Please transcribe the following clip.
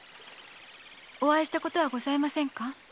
お会いしたことはございませんか？